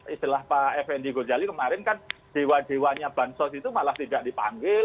istilah pak effendi gojali kemarin kan dewa dewanya bansos itu malah tidak dipanggil